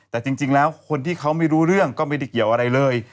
แต่จริงแล้วคนที่เขาไม่รู้เรื่องก็ไม่ได้เกี่ยวอะไรเลย